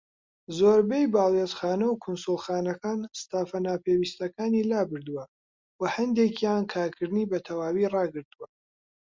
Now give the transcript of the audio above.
زۆربەی باڵوێزخانە و کونسوڵخانەکان ستافە ناپێوستیەکانی لابردووە، وە هەندێکیان کارکردنی بە تەواوی ڕاگرتووە.